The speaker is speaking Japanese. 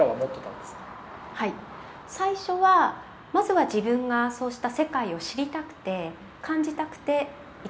最初はまずは自分がそうした世界を知りたくて感じたくて行きました。